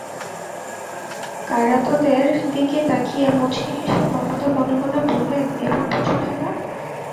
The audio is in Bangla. কারাতদের দিকে তাকিয়ে মুচকি হেসে মমতা মনে মনে বললেন, এবার বোঝো ঠেলা।